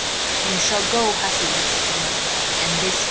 "You shall go, hussey," said the mother, "and this minute."